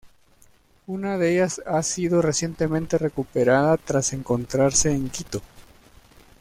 Una de ellas ha sido recientemente recuperada tras encontrarse en Quito